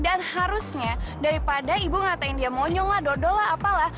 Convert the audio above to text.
dan harusnya daripada ibu ngatain dia monyong lah dodol lah apalah